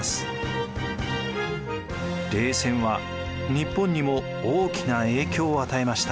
冷戦は日本にも大きな影響を与えました。